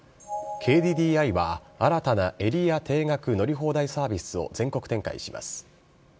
ＫＤＤＩは、新たなエリア定額乗り放題サービスを全国展開します。